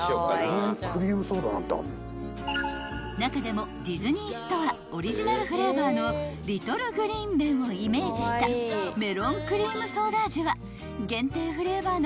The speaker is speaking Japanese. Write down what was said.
［中でもディズニーストアオリジナルフレーバーのリトル・グリーン・メンをイメージしたメロンクリームソーダ味は］